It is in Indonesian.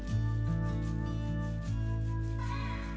ketika overpopulasi itu tidak bisa ditekan